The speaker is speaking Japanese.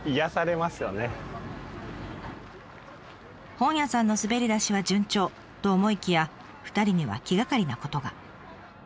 本屋さんの滑り出しは順調と思いきや２人には気がかりなことが。